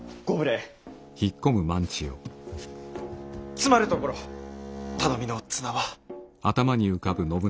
つまるところ頼みの綱は。